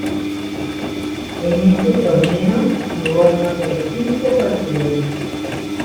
En ese torneo, jugó en otros cinco partidos.